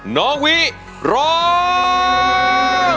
น้องวิร้อง